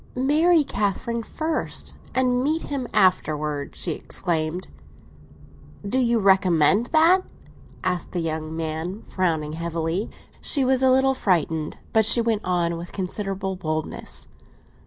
"Marry Catherine first and meet him afterwards!" she exclaimed. "Do you recommend that?" asked the young man, frowning heavily. She was a little frightened, but she went on with considerable boldness.